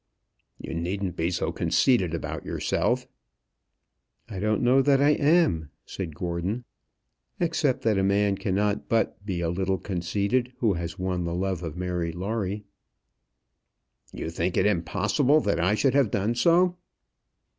"You needn't be so conceited about yourself." "I don't know that I am," said Gordon; "except that a man cannot but be a little conceited who has won the love of Mary Lawrie." "You think it impossible that I should have done so."